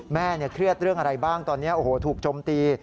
เครียดเรื่องอะไรบ้างตอนนี้โอ้โหถูกจมตี